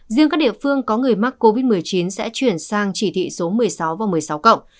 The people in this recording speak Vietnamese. riêng các địa phương có người mắc covid một mươi chín sẽ chuyển sang chỉ thị số một mươi sáu và một mươi sáu cộng